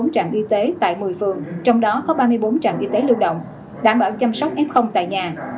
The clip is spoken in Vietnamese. bốn mươi bốn trạm y tế tại một mươi phường trong đó có ba mươi bốn trạm y tế lưu động đã mở chăm sóc f tại nhà